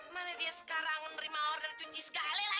mana dia sekarang mau nerima order cuci segali lagi